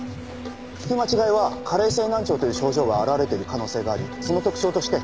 聞き間違いは加齢性難聴という症状が表れている可能性がありその特徴として。